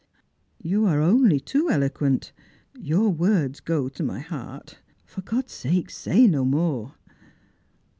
141 "You are only too eloquent; your words go to my heart. For God's sake, say no more